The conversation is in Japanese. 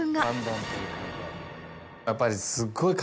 やっぱり。